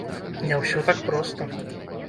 Не ўсё так проста.